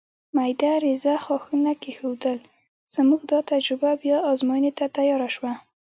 مېده رېزه ښاخونه کېښودل، زموږ دا تجربه بیا ازموینې ته تیاره شوه.